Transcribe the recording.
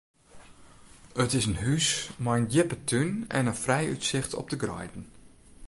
It is in hús mei in djippe tún en frij útsicht op de greiden.